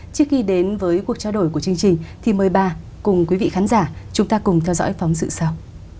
trước khi đến với cuộc trao đổi của chương trình thì mời bà cùng quý vị khán giả chúng ta cùng theo dõi phóng sự sau